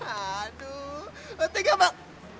aduh mati gabak